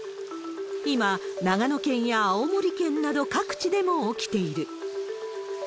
今、長野県や青森県など各地でも起きている。